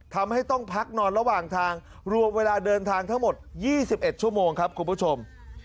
ทำให้ต้องพักนอนระหว่างทางรวมเวลาเดินทางทั้งหมด๒๑ชั่วโมงครับคุณผู้ชม